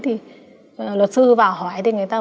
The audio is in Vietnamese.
thì luật sư vào hỏi